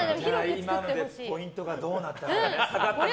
今のでポイントがどうなったか。